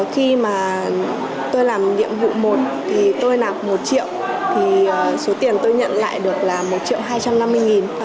khi tôi làm nhiệm vụ một tôi nạp một triệu số tiền tôi nhận lại được là một triệu hai trăm năm mươi nghìn